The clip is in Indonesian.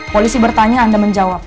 polisi bertanya anda menjawab